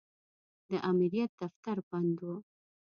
د امریت دفتر بند و.